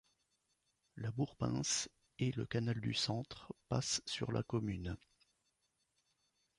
La Bourbince et le canal du Centre passent sur la commune.